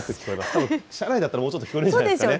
たぶん、車内だったらもう少し聞こえるんじゃないですかね。